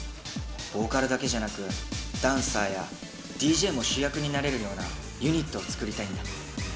ボーカルだけじゃなく、ダンサーやＤＪも主役になれるようなユニットを作りたいんだ。